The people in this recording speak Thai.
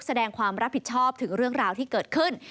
แสดงความรับผิดชอบถึงเรื่องราวที่เกิดขึ้น